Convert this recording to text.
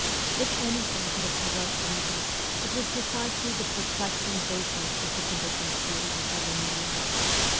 If anything could have provoked revolts, it was precisely the perplexing vagueness of the condi tions created by the new law.